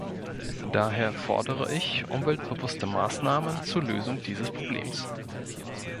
Daher fordere ich umweltbewusste Maßnahmen zur Lösung dieses Problems.